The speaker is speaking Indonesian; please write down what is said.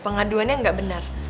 pengaduannya gak benar